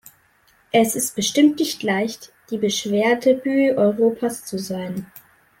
Es ist bestimmt nicht leicht, das BeschwerdebüEuropas zu sein.